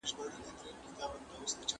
عدالت په دراني امپراتورۍ کي څنګه پلي کيده؟